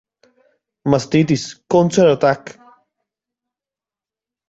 Mastitis: Counter attack.